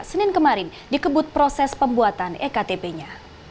senin kemarin dikebut proses pembuatan ektp nya